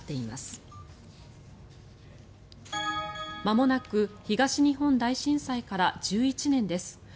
まもなく東日本大震災から１１年です。